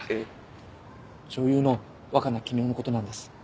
女優の若菜絹代のことなんです。